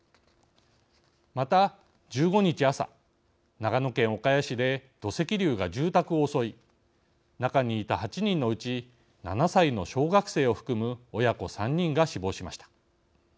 また１５日朝長野県岡谷市で土石流が住宅を襲い中にいた８人のうち７歳の小学生を含む親子３人が死亡しました。